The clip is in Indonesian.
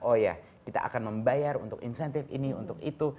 oh ya kita akan membayar untuk insentif ini untuk itu